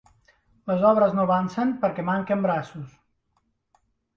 Les obres no avancen perquè manquen braços.